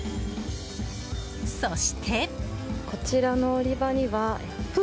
そして。